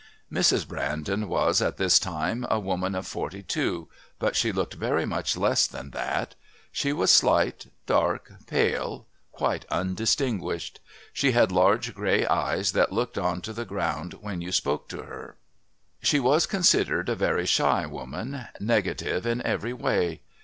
Mrs. Brandon was, at this time, a woman of forty two, but she looked very much less than that. She was slight, dark, pale, quite undistinguished. She had large grey eyes that looked on to the ground when you spoke to her. She was considered a very shy woman, negative in every way.